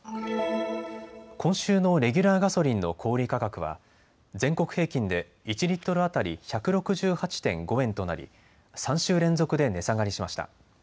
今週のレギュラーガソリンの小売価格は全国平均で１リットル当たり１６８．５円となり３週連続で値下がりしました。